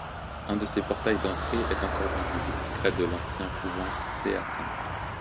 Un de ses portails d’entrée est encore visible, près de l’ancien couvent théatin.